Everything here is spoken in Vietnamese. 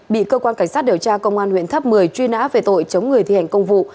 bị cơ quan cảnh sát điều tra công an huyện tháp một mươi truy nã về tội chống người thi hành công vụ